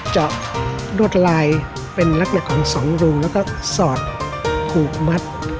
จะรวดลายเป็นลักหนะของ๒รูงแล้วก็สอดผูกมัด